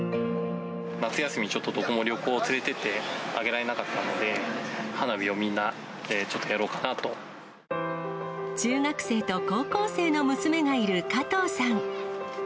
夏休みちょっとどこも旅行連れていってあげられなかったので、花火をみんなでちょっとやろうか中学生と高校生の娘がいる加藤さん。